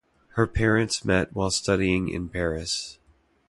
Her parents met while studying in Paris.